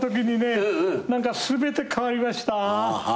何か全て変わりました。